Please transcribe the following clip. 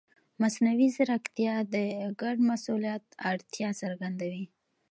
مصنوعي ځیرکتیا د ګډ مسؤلیت اړتیا څرګندوي.